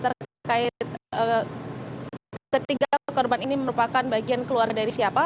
dan juga tidak ada identitas terkait ketiga korban ini merupakan bagian keluarga dari siapa